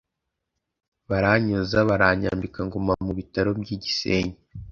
baranyoza baranyambika nguma mu bitaro by’igisenyi